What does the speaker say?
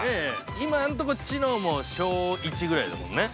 ◆今のところ、知能も小１ぐらいだもんね。